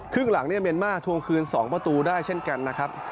ครึ่งหลังเนี่ยเมียนมาร์ทวงคืน๒ประตูได้เช่นกันนะครับ